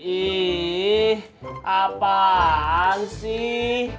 ih apaan sih